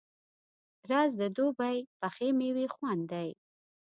رس د دوبی پخې میوې خوند دی